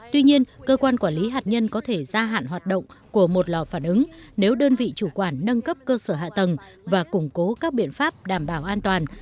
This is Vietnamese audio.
tuy nhiên cơ quan quản lý hạt nhân có thể gia hạn hoạt động của một lò phản ứng nếu đơn vị chủ quản nâng cấp cơ sở hạ tầng và củng cố các biện pháp đảm bảo an toàn